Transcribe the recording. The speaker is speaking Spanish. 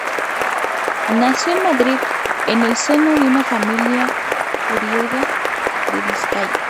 Nació en Madrid, en el seno de una familia oriunda de Vizcaya.